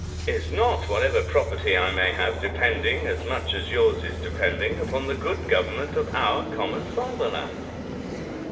Is not whatever property I may have depending, as much as yours is depending, upon the good government of our common fatherland?